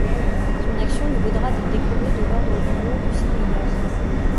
Son action lui vaudra d'être décoré de l'ordre du Lion du Sénégal.